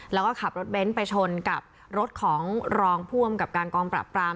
แล้วก็ขับรถเบ้นไปชนกับรถของรองผู้อำกับการกองปราบปราม